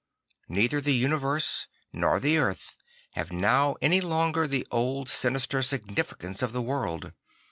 Neither the universe nor the earth have now any longer the old sinister significance of the world.